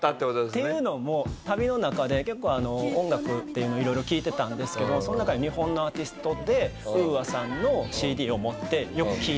っていうのも旅の中で結構音楽っていうのを色々聴いてたんですけどその中で日本のアーティストでＵＡさんのＣＤを持ってよく聴いてたんですよね。